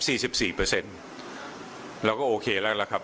สิบสี่เปอร์เซ็นต์เราก็โอเคแล้วล่ะครับ